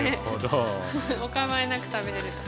お構いなく食べれるところ。